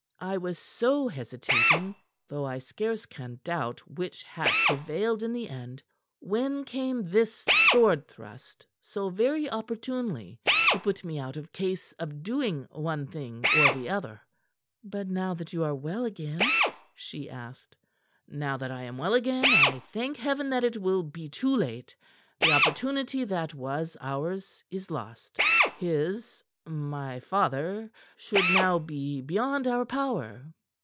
I was so hesitating though I scarce can doubt which had prevailed in the end when came this sword thrust so very opportunely to put me out of case of doing one thing or the other." "But now that you are well again?" she asked. "Now that I am well again I thank Heaven that it will be too late. The opportunity that was ours is lost. His my father should now be beyond our power."